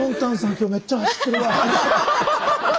今日めっちゃ走ってるわ」みたいな。